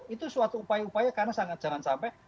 itu suatu upaya upaya karena jangan sampai